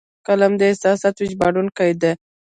قلم د احساساتو ژباړونکی دی